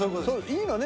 いいのね。